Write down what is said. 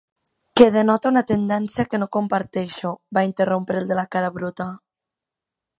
"Que denota una tendència que no comparteixo" va interrompre el de la cara bruta.